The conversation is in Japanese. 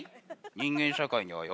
人間社会にはよ。